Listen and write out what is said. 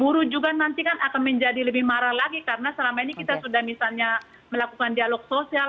guru juga nanti kan akan menjadi lebih marah lagi karena selama ini kita sudah misalnya melakukan dialog sosial